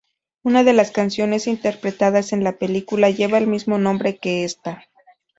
Una de las canciones interpretadas en la película lleva el mismo nombre que esta.